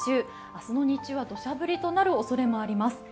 明日の日中は土砂降りとなるおそれがあります。